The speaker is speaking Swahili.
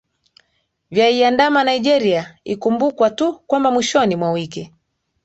vya iandama nigeria ikumbukwa tu kwamba mwishoni mwa wiki